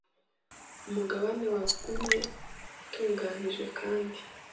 Umugabane wagumye utunganijwe kandi